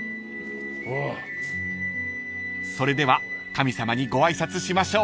［それでは神様にご挨拶しましょう］